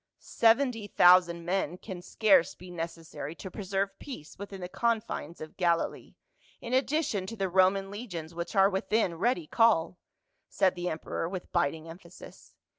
" Seventy thousand men can scarce be necessary to preserve peace within the confines of Galilee, in addi tion to the Roman legions which are within ready call," said the emperor with biting emphasis.